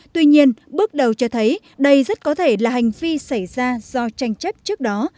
tuy nhiên bước đầu cho thấy đây rất có thể là hành vi xảy ra do tranh chấp trước đó